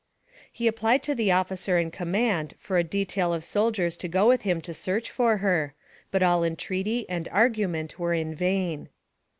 He applied to the officer in command for a detail of soldiers to go with him to search for her, but all en treaty and argument were in vain.